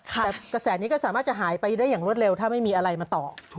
แต่กระแสนี้ก็สามารถจะหายไปได้อย่างรวดเร็วถ้าไม่มีอะไรมาต่อ